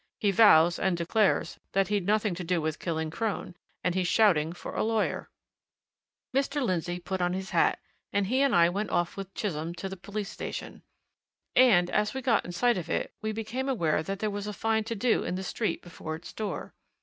He vows and declares that he'd nothing to do with killing Crone, and he's shouting for a lawyer." Mr. Lindsey put on his hat, and he and I went off with Chisholm to the police station. And as we got in sight of it, we became aware that there was a fine to do in the street before its door.